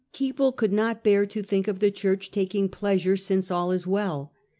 Keble could not bear to think of the Church taking pleasure since all is well.